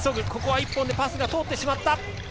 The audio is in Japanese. １本でパスが通ってしまった。